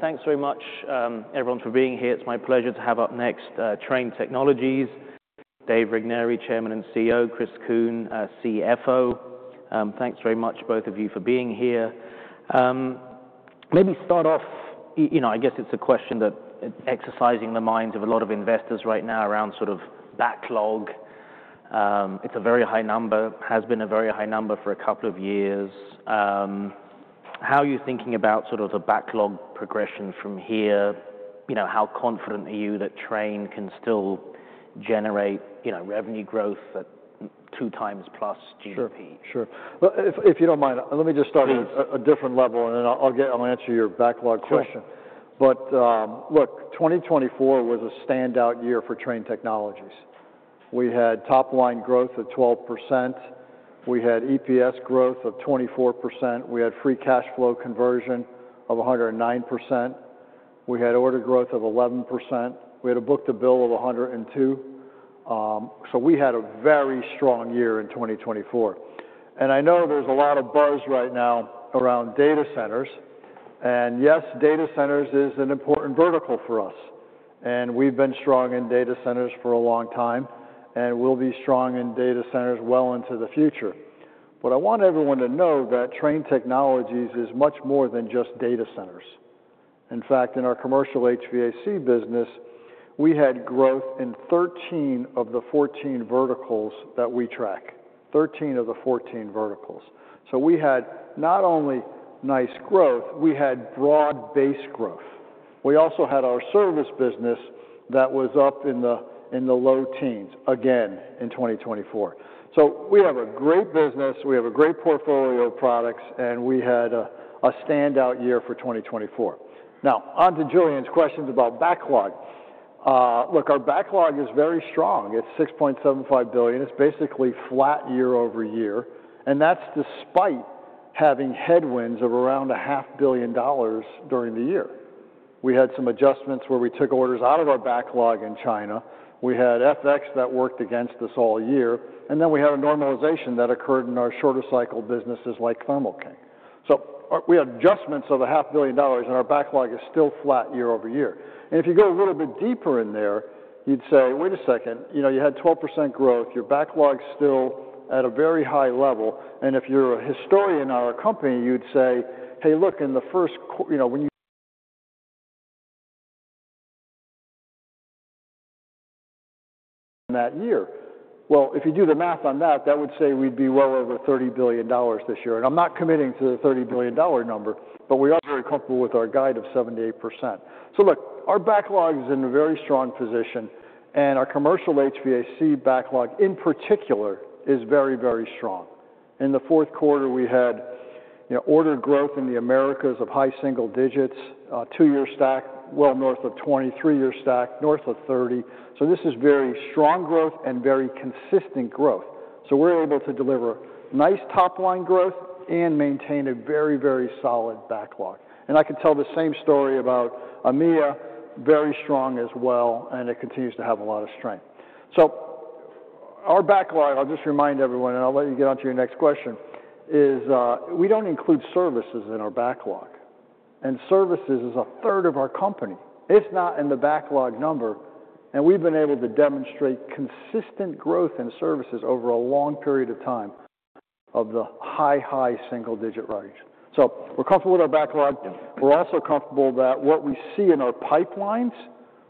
Thanks very much, everyone, for being here. It's my pleasure to have up next Trane Technologies, Dave Regnery, Chairman and CEO, Chris Kuehn, CFO. Thanks very much, both of you, for being here. Maybe start off, I guess it's a question that is exercising the minds of a lot of investors right now around sort of backlog. It's a very high number, has been a very high number for a couple of years. How are you thinking about sort of the backlog progression from here? How confident are you that Trane can still generate revenue growth at 2x+ GDP? Sure. If you don't mind, let me just start at a different level, and then I'll answer your backlog question, but look, 2024 was a standout year for Trane Technologies. We had top-line growth of 12%. We had EPS growth of 24%. We had free cash flow conversion of 109%. We had order growth of 11%. We had a book-to-bill of 102, so we had a very strong year in 2024. And I know there's a lot of buzz right now around data centers, and yes, data centers is an important vertical for us, and we've been strong in data centers for a long time, and we'll be strong in data centers well into the future, but I want everyone to know that Trane Technologies is much more than just data centers. In fact, in our commercial HVAC business, we had growth in 13 of the 14 verticals that we track, 13 of the 14 verticals. So we had not only nice growth, we had broad base growth. We also had our service business that was up in the low teens again in 2024. So we have a great business. We have a great portfolio of products, and we had a standout year for 2024. Now, on to Julian's questions about backlog. Look, our backlog is very strong. It's $6.75 billion. It's basically flat year over year. And that's despite having headwinds of around $500 million during the year. We had some adjustments where we took orders out of our backlog in China. We had FX that worked against us all year. And then we had a normalization that occurred in our shorter cycle businesses like Thermo King. We had adjustments of $500 million, and our backlog is still flat year over year. If you go a little bit deeper in there, you'd say, wait a second, you had 12% growth. Your backlog's still at a very high level. If you're a historian in our company, you'd say, hey, look, in the first, when you that year. If you do the math on that, that would say we'd be well over $30 billion this year. I'm not committing to the $30 billion number, but we are very comfortable with our guide of 78%. Our backlog is in a very strong position, and our commercial HVAC backlog in particular is very, very strong. In the fourth quarter, we had order growth in the Americas of high single digits, two-year stack well north of 20, three-year stack north of 30. This is very strong growth and very consistent growth. We're able to deliver nice top-line growth and maintain a very, very solid backlog. I can tell the same story about EMEA, very strong as well, and it continues to have a lot of strength. Our backlog, I'll just remind everyone, and I'll let you get on to your next question, is we don't include services in our backlog. Services is a third of our company. It's not in the backlog number. We've been able to demonstrate consistent growth in services over a long period of time of the high, high single-digit range. We're comfortable with our backlog. We're also comfortable that what we see in our pipelines,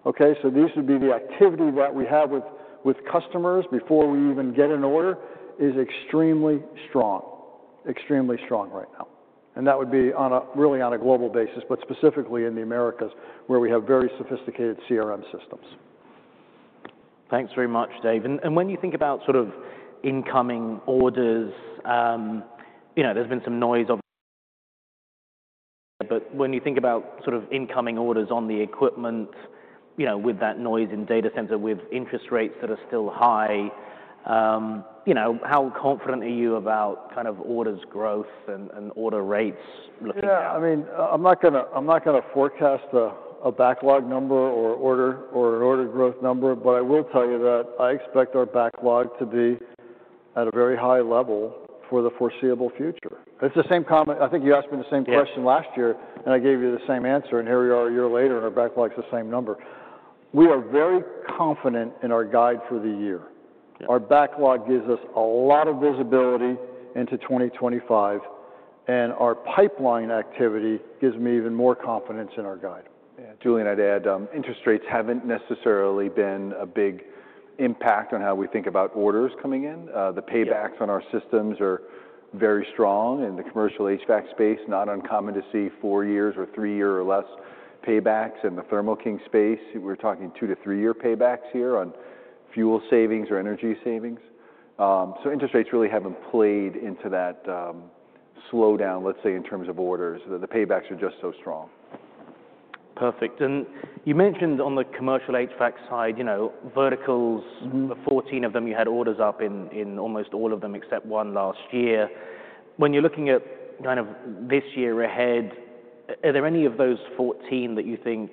so these would be the activity that we have with customers before we even get an order, is extremely strong, extremely strong right now. That would be really on a global basis, but specifically in the Americas where we have very sophisticated CRM systems. Thanks very much, Dave. And when you think about sort of incoming orders, there's been some noise. But when you think about sort of incoming orders on the equipment with that noise in data center with interest rates that are still high, how confident are you about kind of orders growth and order rates looking like? Yeah. I mean, I'm not going to forecast a backlog number or order growth number, but I will tell you that I expect our backlog to be at a very high level for the foreseeable future. It's the same comment. I think you asked me the same question last year, and I gave you the same answer, and here we are a year later, and our backlog's the same number. We are very confident in our guide for the year. Our backlog gives us a lot of visibility into 2025, and our pipeline activity gives me even more confidence in our guide. Yeah. Julian, I'd add interest rates haven't necessarily been a big impact on how we think about orders coming in. The paybacks on our systems are very strong in the commercial HVAC space, not uncommon to see four years or three years or less paybacks. In the Thermo King space, we're talking two- to three-year paybacks here on fuel savings or energy savings. So interest rates really haven't played into that slowdown, let's say, in terms of orders. The paybacks are just so strong. Perfect. And you mentioned on the commercial HVAC side, verticals, 14 of them, you had orders up in almost all of them except one last year. When you're looking at kind of this year ahead, are there any of those 14 that you think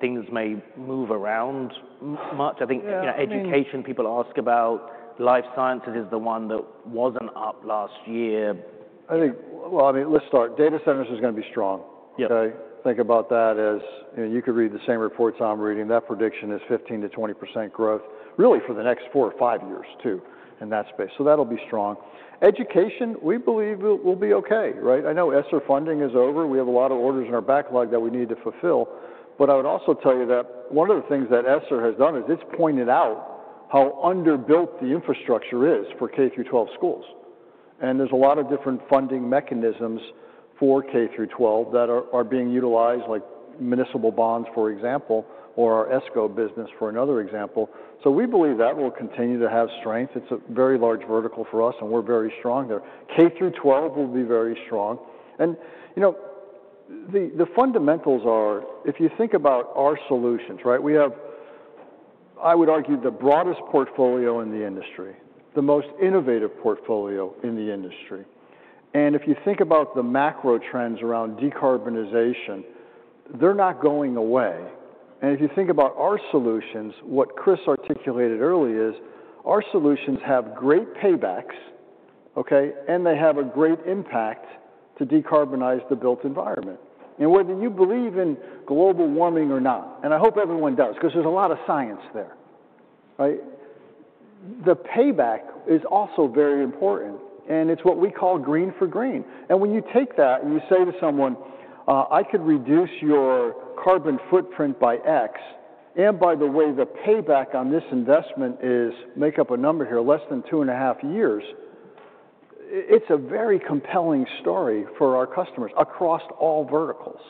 things may move around much? I think education, people ask about, life sciences is the one that wasn't up last year. I think, well, I mean, let's start. Data centers is going to be strong. Think about that as you could read the same reports I'm reading. That prediction is 15%-20% growth really for the next four or five years too in that space, so that'll be strong. Education, we believe it will be okay. I know ESSER funding is over. We have a lot of orders in our backlog that we need to fulfill, but I would also tell you that one of the things that ESSER has done is it's pointed out how underbuilt the infrastructure is for K-12 schools, and there's a lot of different funding mechanisms for K-12 that are being utilized, like municipal bonds, for example, or our ESCO business for another example, so we believe that will continue to have strength. It's a very large vertical for us, and we're very strong there. K-12 will be very strong. And the fundamentals are, if you think about our solutions, we have, I would argue, the broadest portfolio in the industry, the most innovative portfolio in the industry. And if you think about the macro trends around decarbonization, they're not going away. And if you think about our solutions, what Chris articulated early is our solutions have great paybacks, and they have a great impact to decarbonize the built environment. And whether you believe in global warming or not, and I hope everyone does because there's a lot of science there, the payback is also very important. And it's what we call Green for Green. And when you take that and you say to someone, "I could reduce your carbon footprint by X," and by the way, the payback on this investment is, make up a number here, less than two and a half years, it's a very compelling story for our customers across all verticals.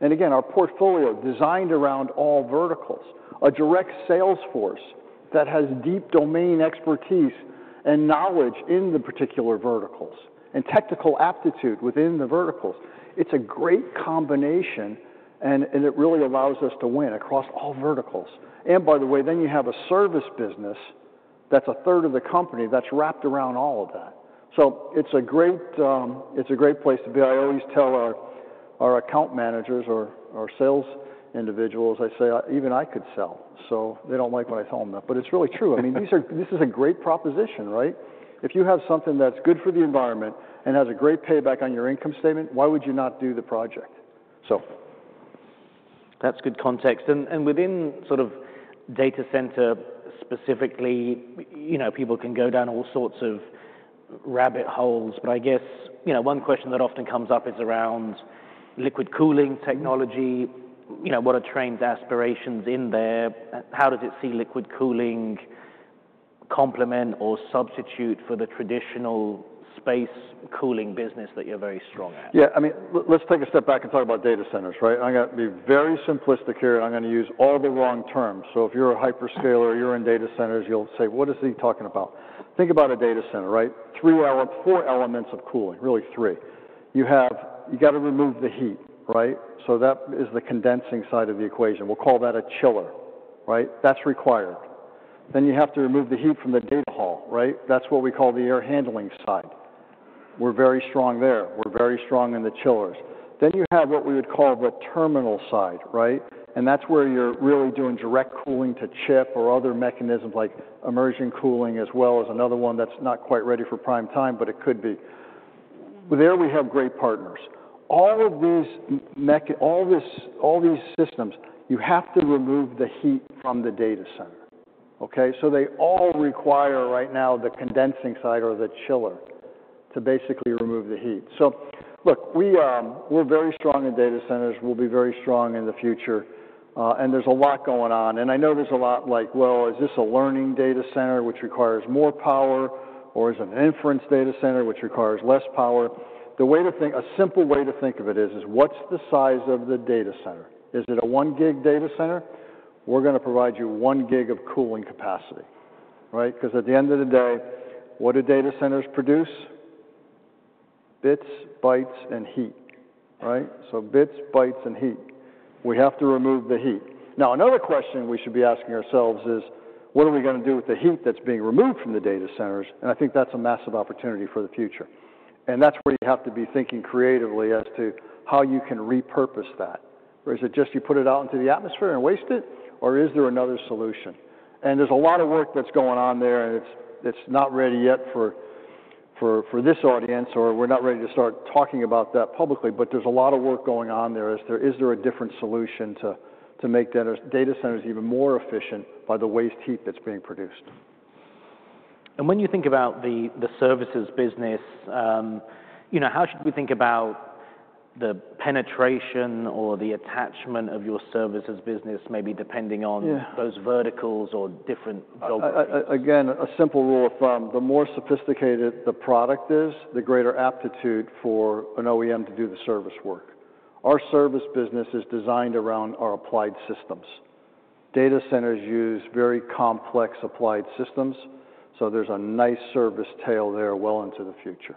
And again, our portfolio designed around all verticals, a direct sales force that has deep domain expertise and knowledge in the particular verticals and technical aptitude within the verticals. It's a great combination, and it really allows us to win across all verticals. And by the way, then you have a service business that's a third of the company that's wrapped around all of that. So it's a great place to be. I always tell our account managers or our sales individuals, I say, "Even I could sell." So they don't like when I tell them that, but it's really true. I mean, this is a great proposition. If you have something that's good for the environment and has a great payback on your income statement, why would you not do the project? That's good context. And within sort of data center specifically, people can go down all sorts of rabbit holes. But I guess one question that often comes up is around liquid cooling technology. What are Trane's aspirations in there? How does it see liquid cooling complement or substitute for the traditional space cooling business that you're very strong at? Yeah. I mean, let's take a step back and talk about data centers. I'm going to be very simplistic here, and I'm going to use all the wrong terms. So if you're a hyperscaler, you're in data centers, you'll say, "What is he talking about?" Think about a data center, three or four elements of cooling, really three. You got to remove the heat. So that is the condensing side of the equation. We'll call that a chiller. That's required. Then you have to remove the heat from the data hall. That's what we call the air handling side. We're very strong there. We're very strong in the chillers. Then you have what we would call the terminal side. And that's where you're really doing direct cooling to chip or other mechanisms like immersion cooling as well as another one that's not quite ready for prime time, but it could be. There we have great partners. All these systems, you have to remove the heat from the data center. So they all require right now the condensing side or the chiller to basically remove the heat. So look, we're very strong in data centers. We'll be very strong in the future. And there's a lot going on. And I know there's a lot like, "Well, is this a learning data center, which requires more power, or is it an inference data center, which requires less power?" The way to think, a simple way to think of it is, what's the size of the data center? Is it a one-gig data center? We're going to provide you one gig of cooling capacity. Because at the end of the day, what do data centers produce? Bits, bytes, and heat. So bits, bytes, and heat. We have to remove the heat. Now, another question we should be asking ourselves is, what are we going to do with the heat that's being removed from the data centers? And I think that's a massive opportunity for the future. And that's where you have to be thinking creatively as to how you can repurpose that. Is it just you put it out into the atmosphere and waste it, or is there another solution? And there's a lot of work that's going on there, and it's not ready yet for this audience, or we're not ready to start talking about that publicly. But there's a lot of work going on there as to, is there a different solution to make data centers even more efficient by the waste heat that's being produced. When you think about the services business, how should we think about the penetration or the attachment of your services business, maybe depending on those verticals or different? Again, a simple rule of thumb, the more sophisticated the product is, the greater aptitude for an OEM to do the service work. Our service business is designed around our applied systems. Data centers use very complex applied systems. So there's a nice service tail there well into the future.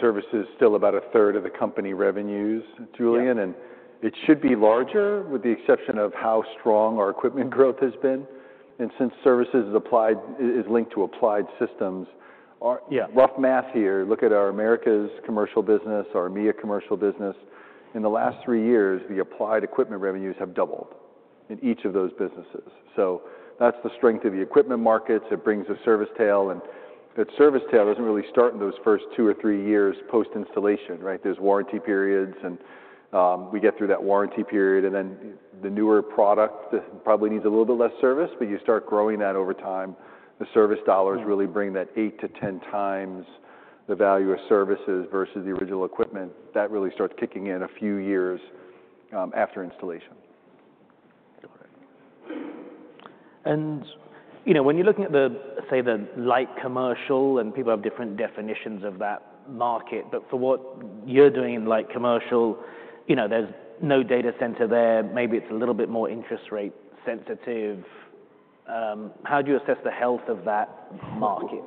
Services is still about 1/3 of the company revenues, Julian. It should be larger with the exception of how strong our equipment growth has been. Since services is linked to applied systems, rough math here, look at our Americas commercial business, our EMEA commercial business. In the last three years, the applied equipment revenues have doubled in each of those businesses. That's the strength of the equipment markets. It brings a service tail. That service tail doesn't really start in those first two or three years post-installation. There's warranty periods, and we get through that warranty period. Then the newer product probably needs a little bit less service, but you start growing that over time. The service dollars really bring that 8x-10x the value of services versus the original equipment. That really starts kicking in a few years after installation. When you're looking at the, say, the light commercial, and people have different definitions of that market. For what you're doing in light commercial, there's no data center there. Maybe it's a little bit more interest rate sensitive. How do you assess the health of that market?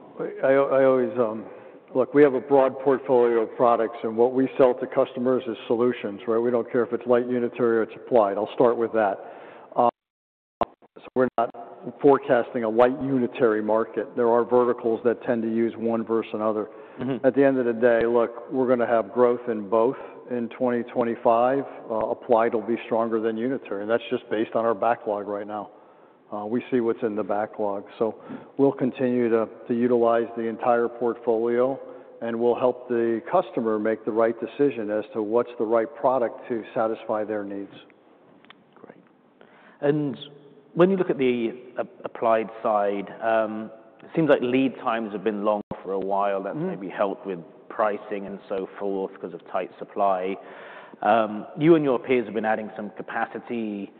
Look, we have a broad portfolio of products, and what we sell to customers is solutions. We don't care if it's light unitary or it's applied. I'll start with that, so we're not forecasting a light unitary market. There are verticals that tend to use one versus another. At the end of the day, look, we're going to have growth in both in 2025. Applied will be stronger than unitary, and that's just based on our backlog right now. We see what's in the backlog, so we'll continue to utilize the entire portfolio, and we'll help the customer make the right decision as to what's the right product to satisfy their needs. Great. And when you look at the applied side, it seems like lead times have been long for a while. That's maybe helped with pricing and so forth because of tight supply. You and your peers have been adding some capacity,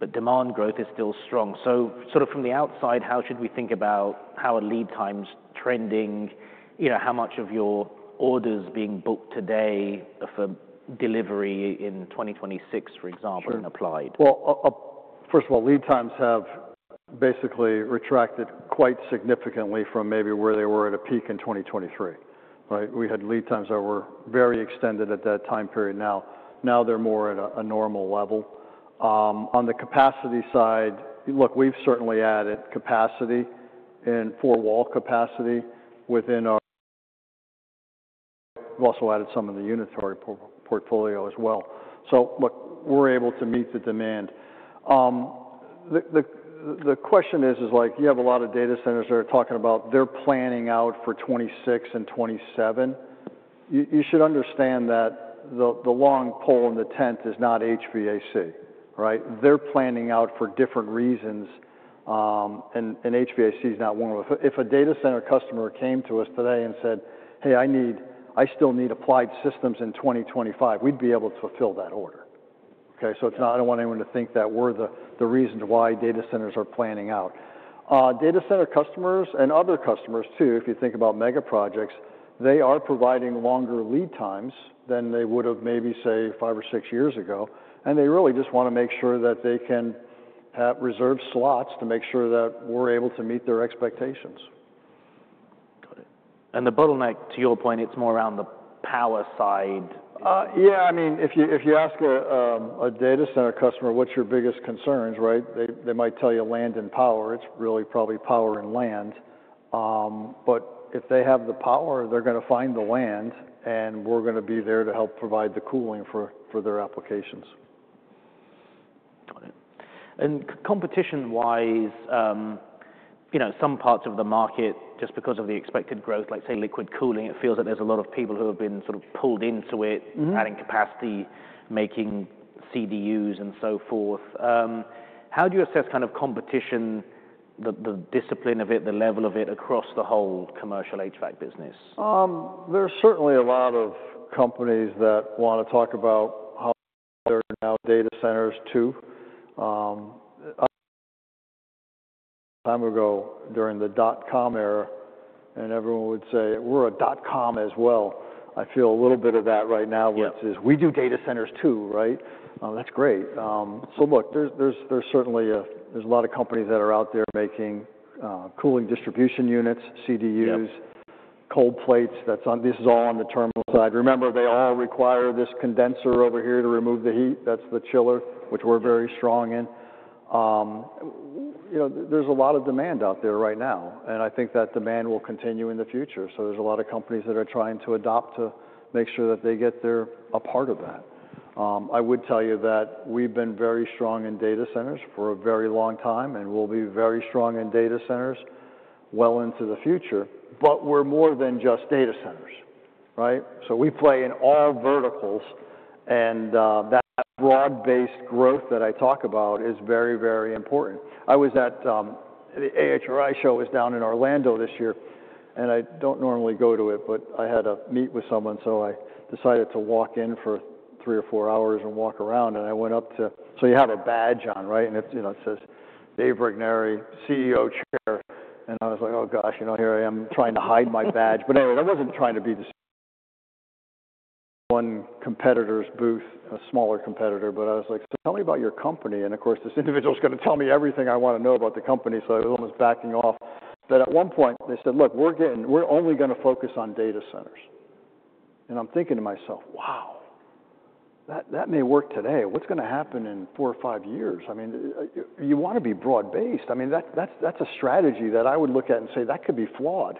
but demand growth is still strong. So sort of from the outside, how should we think about how are lead times trending? How much of your orders being booked today for delivery in 2026, for example, in applied? First of all, lead times have basically retracted quite significantly from maybe where they were at a peak in 2023. We had lead times that were very extended at that time period. Now they're more at a normal level. On the capacity side, look, we've certainly added capacity and four-wall capacity within our portfolio. We've also added some of the unitary portfolio as well. So look, we're able to meet the demand. The question is, you have a lot of data centers that are talking about they're planning out for 2026 and 2027. You should understand that the long pole in the tent is not HVAC. They're planning out for different reasons, and HVAC is not one of them. If a data center customer came to us today and said, "Hey, I still need applied systems in 2025," we'd be able to fulfill that order. So, I don't want anyone to think that we're the reason why data centers are planning out. Data center customers and other customers too, if you think about mega projects, they are providing longer lead times than they would have maybe, say, five or six years ago. And they really just want to make sure that they can have reserved slots to make sure that we're able to meet their expectations. Got it. And the bottleneck, to your point, it's more around the power side. Yeah. I mean, if you ask a data center customer, "What's your biggest concerns?" They might tell you land and power. It's really probably power and land. But if they have the power, they're going to find the land, and we're going to be there to help provide the cooling for their applications. Got it. And competition-wise, some parts of the market, just because of the expected growth, like say liquid cooling, it feels like there's a lot of people who have been sort of pulled into it, adding capacity, making CDUs and so forth. How do you assess kind of competition, the discipline of it, the level of it across the whole commercial HVAC business? There's certainly a lot of companies that want to talk about how they're now data centers too. A long time ago during the dot-com era, and everyone would say, "We're a dot-com as well." I feel a little bit of that right now, which is, "We do data centers too." That's great, so look, there's certainly a lot of companies that are out there making cooling distribution units, CDUs, cold plates. This is all on the terminal side. Remember, they all require this condenser over here to remove the heat. That's the chiller, which we're very strong in. There's a lot of demand out there right now, and I think that demand will continue in the future, so there's a lot of companies that are trying to adapt to make sure that they get their part of that. I would tell you that we've been very strong in data centers for a very long time, and we'll be very strong in data centers well into the future, but we're more than just data centers, so we play in all verticals, and that broad-based growth that I talk about is very, very important. I was at the AHRI show down in Orlando this year, and I don't normally go to it, but I had a meet with someone, so I decided to walk in for three or four hours and walk around, and I went up to, so you have a badge on, right, and it says, "Dave Regnery, CEO, Chair," and I was like, "Oh, gosh, here I am trying to hide my badge," but anyway, I wasn't trying to be the one competitor's booth, a smaller competitor. But I was like, "So tell me about your company." And of course, this individual is going to tell me everything I want to know about the company. So I was almost backing off. But at one point, they said, "Look, we're only going to focus on data centers." And I'm thinking to myself, "Wow, that may work today. What's going to happen in four or five years?" I mean, you want to be broad-based. I mean, that's a strategy that I would look at and say, "That could be flawed.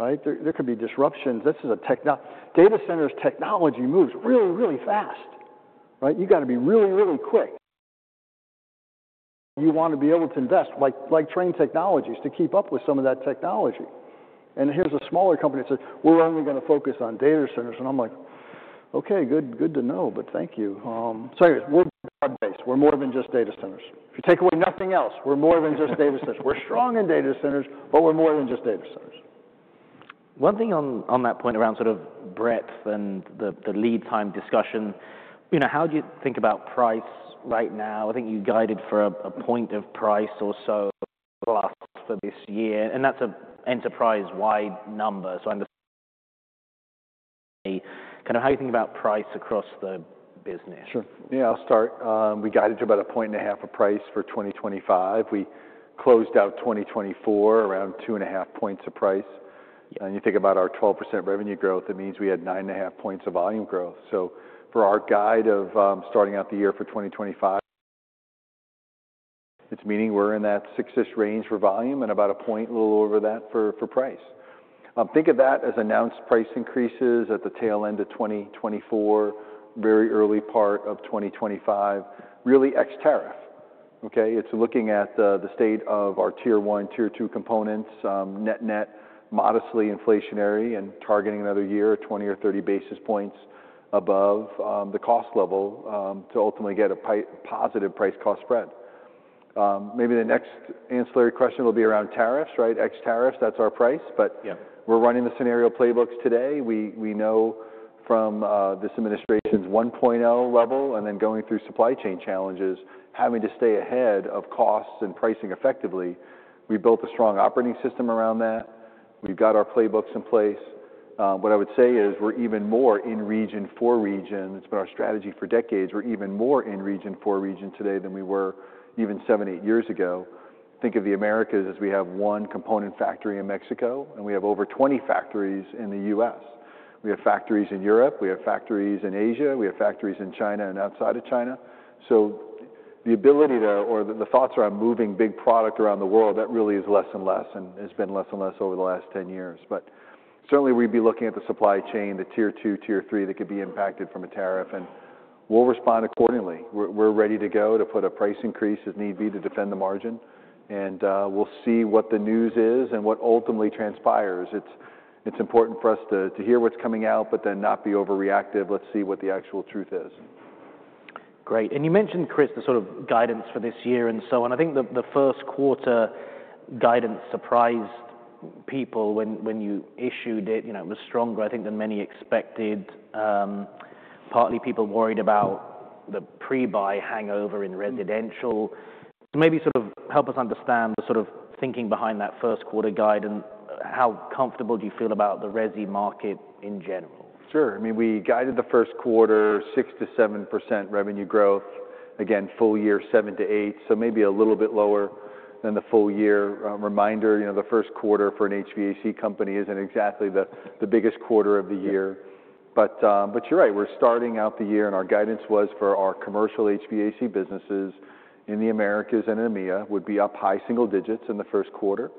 There could be disruptions." Data centers technology moves really, really fast. You got to be really, really quick. You want to be able to invest like Trane Technologies to keep up with some of that technology. And here's a smaller company that says, "We're only going to focus on data centers." And I'm like, "Okay, good to know, but thank you." So anyway, we're broad-based. We're more than just data centers. If you take away nothing else, we're more than just data centers. We're strong in data centers, but we're more than just data centers. One thing on that point around sort of breadth and the lead time discussion, how do you think about price right now? I think you guided for a point of price or so for this year. And that's an enterprise-wide number. So I'm just kind of how you think about price across the business? Sure. Yeah, I'll start. We guided to about 1.5 point of price for 2025. We closed out 2024 around 2.5 points of price. And you think about our 12% revenue growth, it means we had 9.5 points of volume growth. So for our guide of starting out the year for 2025, it's meaning we're in that six-ish range for volume and about a point a little over that for price. Think of that as announced price increases at the tail end of 2024, very early part of 2025, really ex-tariff. It's looking at the state of our tier one, tier two components, net-net, modestly inflationary, and targeting another year, 20 or 30 basis points above the cost level to ultimately get a positive price-cost spread. Maybe the next ancillary question will be around tariffs, ex-tariff. That's our price. But we're running the scenario playbooks today. We know from this administration's 1.0 level and then going through supply chain challenges, having to stay ahead of costs and pricing effectively. We built a strong operating system around that. We've got our playbooks in place. What I would say is we're even more in region for region. It's been our strategy for decades. We're even more in region for region today than we were even seven, eight years ago. Think of the Americas as we have one component factory in Mexico, and we have over 20 factories in the U.S. We have factories in Europe. We have factories in Asia. We have factories in China and outside of China. So the ability to, or the thoughts around moving big product around the world, that really is less and less and has been less and less over the last 10 years. But certainly, we'd be looking at the supply chain, the tier two, tier three that could be impacted from a tariff. And we'll respond accordingly. We're ready to go to put a price increase as need be to defend the margin. And we'll see what the news is and what ultimately transpires. It's important for us to hear what's coming out, but then not be overreactive. Let's see what the actual truth is. Great. And you mentioned, Chris, the sort of guidance for this year and so on. I think the first quarter guidance surprised people when you issued it. It was stronger, I think, than many expected. Partly, people worried about the pre-buy hangover in residential. Maybe sort of help us understand the sort of thinking behind that first quarter guide and how comfortable do you feel about the resi market in general? Sure. I mean, we guided the first quarter 6%-7% revenue growth. Again, full year 7%-8%, so maybe a little bit lower than the full year. Reminder, the first quarter for an HVAC company isn't exactly the biggest quarter of the year. But you're right. We're starting out the year, and our guidance was for our commercial HVAC businesses in the Americas and in EMEA to be up high single digits in the first quarter.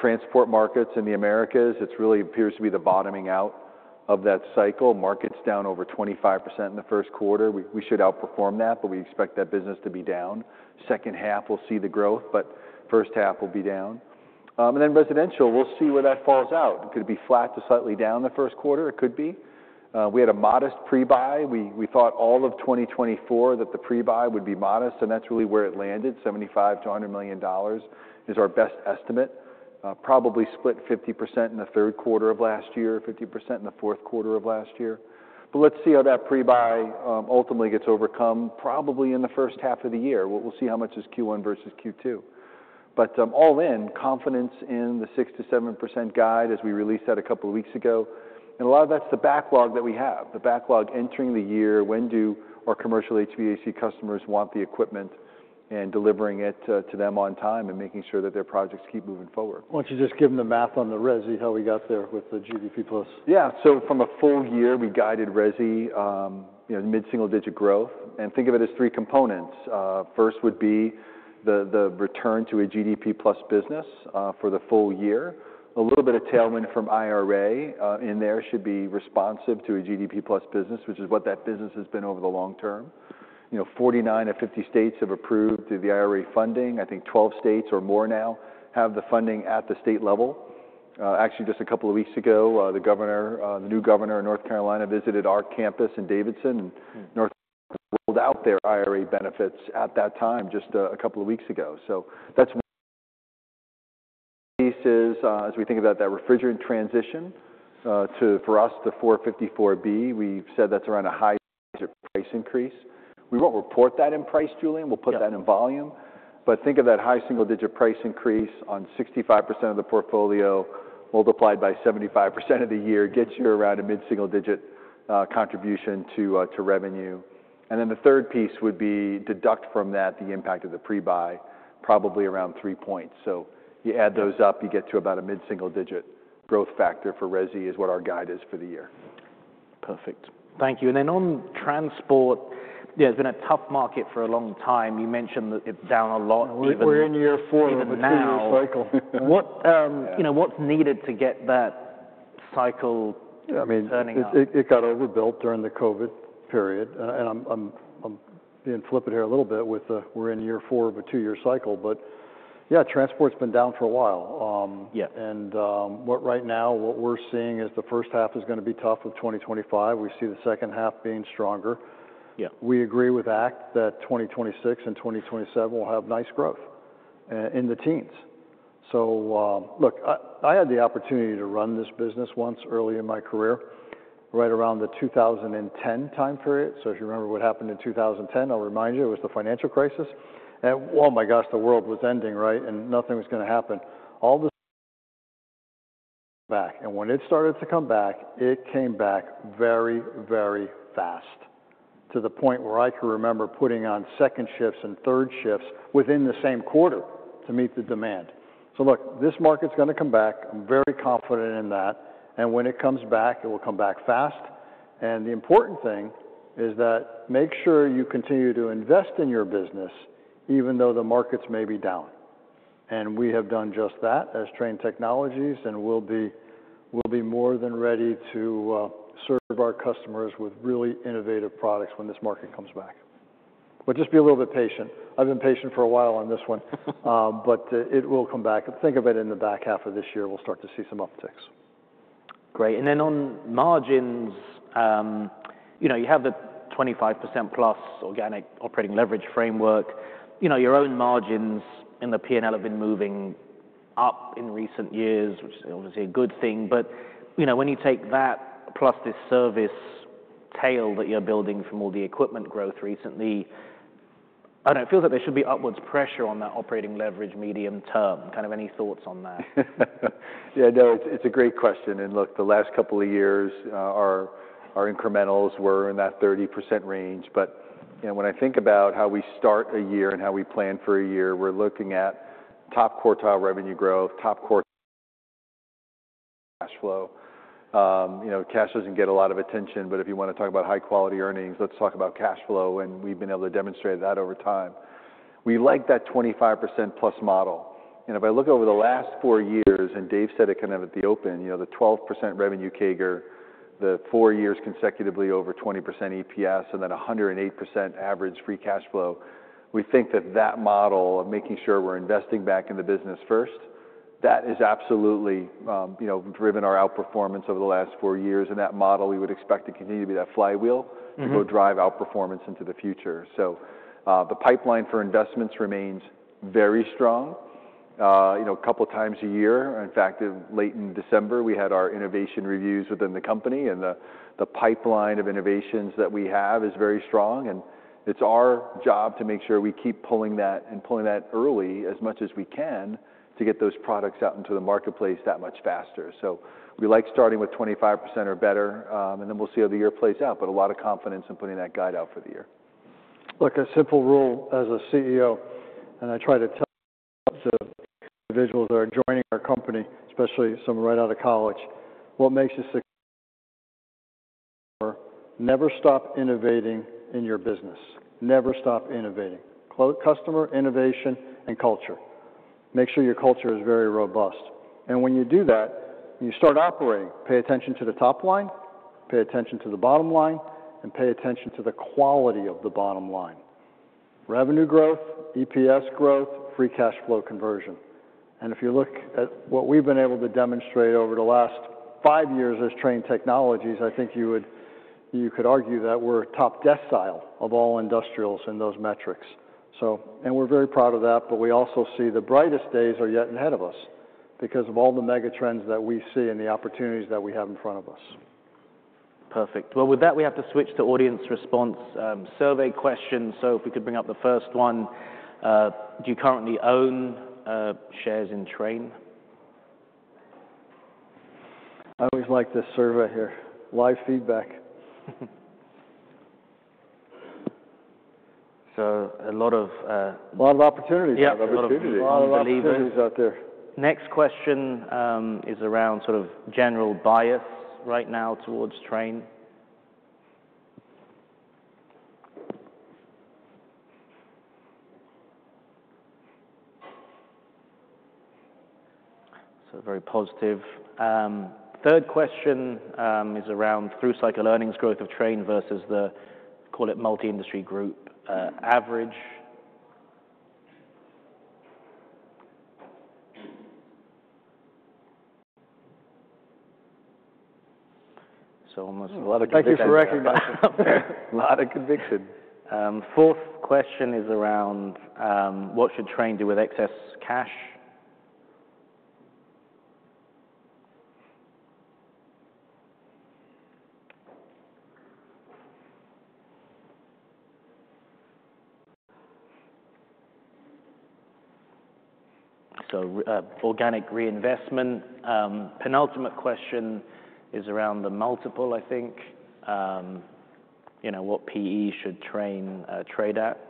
Transport markets in the Americas, it really appears to be the bottoming out of that cycle. Markets down over 25% in the first quarter. We should outperform that, but we expect that business to be down. Second half, we'll see the growth, but first half will be down and then residential, we'll see where that falls out. Could it be flat to slightly down the first quarter? It could be. We had a modest pre-buy. We thought all of 2024 that the pre-buy would be modest, and that's really where it landed. $75 million-$100 million is our best estimate. Probably split 50% in the third quarter of last year, 50% in the fourth quarter of last year. But let's see how that pre-buy ultimately gets overcome probably in the first half of the year. We'll see how much is Q1 versus Q2. But all in, confidence in the 6%-7% guide as we released that a couple of weeks ago. And a lot of that's the backlog that we have. The backlog entering the year. When do our commercial HVAC customers want the equipment and delivering it to them on time and making sure that their projects keep moving forward? Why don't you just give them the math on the resi, how we got there with the GDP plus? Yeah. So from a full year, we guided resi mid-single-digit growth. Think of it as three components. First would be the return to a GDP plus business for the full year. A little bit of tailwind from IRA in there should be responsive to a GDP plus business, which is what that business has been over the long term. 49 of 50 states have approved the IRA funding. I think 12 states or more now have the funding at the state level. Actually, just a couple of weeks ago, the new governor of North Carolina visited our campus in Davidson, and North Carolina rolled out their IRA benefits at that time just a couple of weeks ago. So that's one piece, as we think about that refrigerant transition for us to 454B. We've said that's around a high price increase. We won't report that in price, Julian. We'll put that in volume, but think of that high single digit price increase on 65% of the portfolio multiplied by 75% of the year gets you around a mid-single digit contribution to revenue, and then the third piece would be deduct from that the impact of the pre-buy, probably around three points, so you add those up, you get to about a mid-single digit growth factor for resi is what our guide is for the year. Perfect. Thank you, and then on transport, yeah, it's been a tough market for a long time. You mentioned that it's down a lot even now. We're in year four of a two-year cycle. What's needed to get that cycle turning up? It got overbuilt during the COVID period. And I'm being flippant here a little bit with "we're in year four of a two-year cycle." But yeah, transport's been down for a while. And right now, what we're seeing is the first half of 2025 is going to be tough. We see the second half being stronger. We agree with that, that 2026 and 2027 will have nice growth in the teens. So look, I had the opportunity to run this business once early in my career, right around the 2010 time period. So if you remember what happened in 2010, I'll remind you, it was the financial crisis. And oh my gosh, the world was ending, right? And nothing was going to happen. All this came back. And when it started to come back, it came back very, very fast to the point where I could remember putting on second shifts and third shifts within the same quarter to meet the demand. So look, this market's going to come back. I'm very confident in that. And when it comes back, it will come back fast. And the important thing is that make sure you continue to invest in your business even though the markets may be down. And we have done just that as Trane Technologies and will be more than ready to serve our customers with really innovative products when this market comes back. But just be a little bit patient. I've been patient for a while on this one, but it will come back. Think of it in the back half of this year, we'll start to see some upticks. Great. And then on margins, you have the 25%+ organic operating leverage framework. Your own margins in the P&L have been moving up in recent years, which is obviously a good thing. But when you take that plus this service tail that you're building from all the equipment growth recently, I don't know, it feels like there should be upwards pressure on that operating leverage medium term. Kind of any thoughts on that? Yeah, no, it's a great question. And look, the last couple of years, our incrementals were in that 30% range. But when I think about how we start a year and how we plan for a year, we're looking at top quartile revenue growth, top quartile cash flow. Cash doesn't get a lot of attention, but if you want to talk about high-quality earnings, let's talk about cash flow. And we've been able to demonstrate that over time. We like that 25%+ model. And if I look over the last four years, and Dave said it kind of at the open, the 12% revenue CAGR, the four years consecutively over 20% EPS, and then 108% average free cash flow, we think that that model of making sure we're investing back in the business first, that has absolutely driven our outperformance over the last four years. That model, we would expect to continue to be that flywheel to go drive outperformance into the future. The pipeline for investments remains very strong. A couple of times a year, in fact, in late December, we had our innovation reviews within the company. The pipeline of innovations that we have is very strong. It's our job to make sure we keep pulling that early as much as we can to get those products out into the marketplace that much faster. We like starting with 25% or better, and then we'll see how the year plays out. A lot of confidence in putting that guide out for the year. Look, a simple rule as a CEO, and I try to tell individuals that are joining our company, especially some right out of college, what makes a successful customer is never stop innovating in your business. Never stop innovating. Customer innovation and culture. Make sure your culture is very robust. And when you do that, when you start operating, pay attention to the top line, pay attention to the bottom line, and pay attention to the quality of the bottom line. Revenue growth, EPS growth, free cash flow conversion. And if you look at what we've been able to demonstrate over the last five years as Trane Technologies, I think you could argue that we're top decile of all industrials in those metrics. And we're very proud of that, but we also see the brightest days are yet ahead of us because of all the mega trends that we see and the opportunities that we have in front of us. Perfect. Well, with that, we have to switch to audience response survey questions. So if we could bring up the first one, do you currently own shares in Trane? I always like this survey here. Live feedback. A lot of opportunities. Yeah, a lot of opportunities. A lot of opportunities out there. Next question is around sort of general bias right now towards Trane. So very positive. Third question is around through cycle earnings growth of Trane versus the, call it multi-industry group average. So almost a lot of conviction. Thank you for recognizing. A lot of conviction. Fourth question is around what should Trane do with excess cash? So organic reinvestment. Penultimate question is around the multiple, I think. What PE should Trane trade at?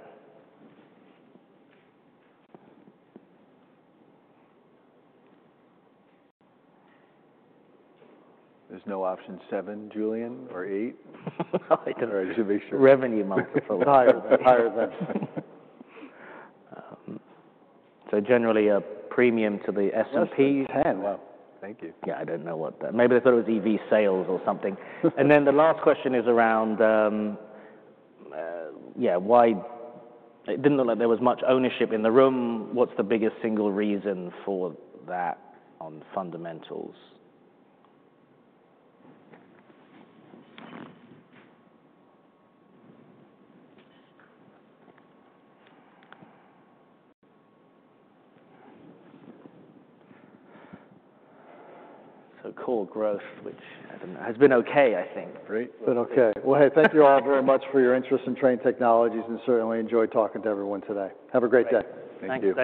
There's no option seven, Julian, or eight? So generally a premium to the S&P. That's 10. Wow. Thank you. Yeah, I don't know what that maybe they thought it was EV/Sales or something. And then the last question is around, yeah, why it didn't look like there was much ownership in the room. What's the biggest single reason for that on fundamentals? So core growth, which has been okay, I think. It's been okay. Well, hey, thank you all very much for your interest in Trane Technologies and certainly enjoyed talking to everyone today. Have a great day. Thank you.